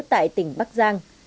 tại tỉnh bắc giang